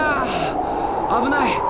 危ない！